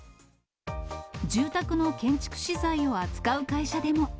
住宅の建築資材を扱う会社でも。